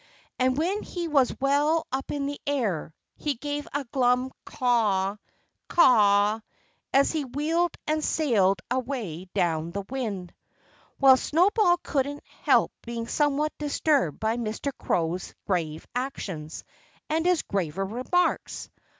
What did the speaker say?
And when he was well up in the air he gave a glum caw, caw as he wheeled and sailed away down the wind. Well, Snowball couldn't help being somewhat disturbed by Mr. Crow's grave actions and his graver remarks.